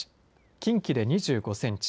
近畿で２５センチ